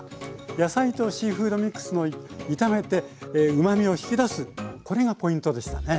野菜とシーフードミックスの炒めてうまみを引き出すこれがポイントでしたね。